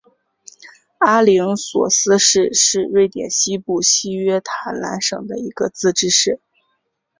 阿灵索斯市是瑞典西部西约塔兰省的一个自治市。